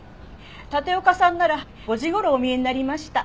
立岡さんなら５時頃お見えになりました。